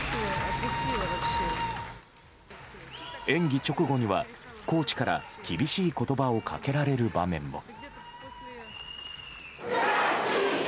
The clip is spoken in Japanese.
演技直後には、コーチから厳しい言葉をかけられる場面も。